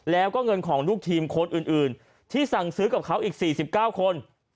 แล้วก็เงินของลูกทีมคนอื่นที่สั่งซื้อกับเขาอีก๔๙คน